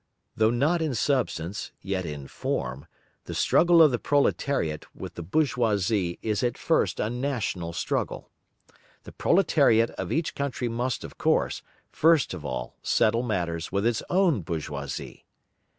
Though not in substance, yet in form, the struggle of the proletariat with the bourgeoisie is at first a national struggle. The proletariat of each country must, of course, first of all settle matters with its own bourgeoisie.